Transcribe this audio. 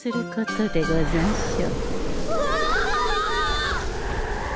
うわ！